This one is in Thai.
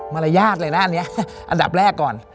มารยาทอะไรด้านเนี้ยอันดับแรกก่อน